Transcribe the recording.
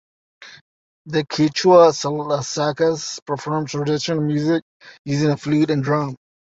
The Quichua Salasacas perform traditional music using a flute and drum.